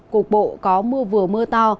cục bộ có mưa vừa mưa to